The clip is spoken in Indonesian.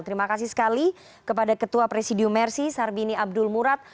terima kasih sekali kepada ketua presidium mersi sarbini abdul murad